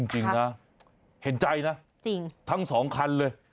เอาจริงนะเห็นใจนะทั้ง๒คันเลย